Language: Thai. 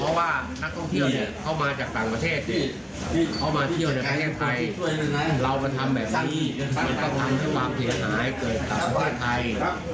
เรามาทำแบบนี้มันก็ทำให้หวามเทศไทยเกิดสรรพาทไทย